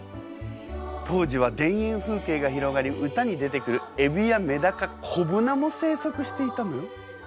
当時は田園風景が広がり歌に出てくるエビやめだか小鮒も生息していたのよ。